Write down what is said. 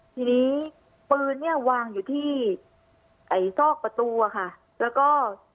ทีนี้ปืนเนี่ยวางอยู่ที่ไอ้ซอกประตูอะค่ะแล้วก็